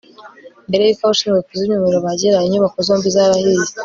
mbere yuko abashinzwe kuzimya umuriro bahagera, inyubako zombi zarahiye